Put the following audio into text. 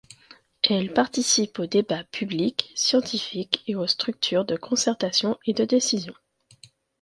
Elle participe aux débats publics, scientifiques et aux structures de concertation et de décision.